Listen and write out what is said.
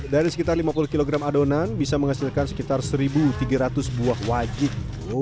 dari sekitar lima puluh kg adonan bisa menghasilkan sekitar satu tiga ratus buah wajib